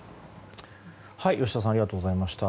吉田さんありがとうございました。